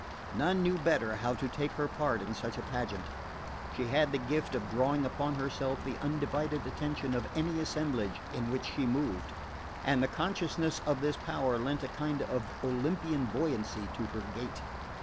None knew better how to take her part in such a pageant. She had the gift of drawing upon herself the undivided attention of any assemblage in which she moved; and the consciousness of this power lent a kind of Olympian buoyancy to her gait.